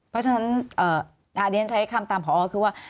เพราะฉะนั้นอาเดนใช้คำตามขอออกว่า